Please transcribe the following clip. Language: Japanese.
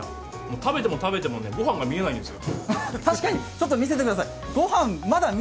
食べても食べてもご飯が見えないんですよ。